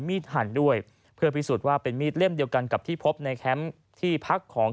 หั่นด้วยเพื่อพิสูจน์ว่าเป็นมีดเล่มเดียวกันกับที่พบในแคมป์ที่พักของ